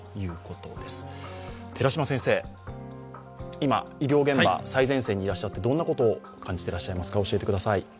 今、医療現場、最前線にいらっしゃってどんなことを感じてらっしゃいますか。